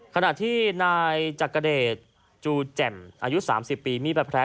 ขณะที่นายจักรเดชจูแจ่มอายุ๓๐ปีมีแผล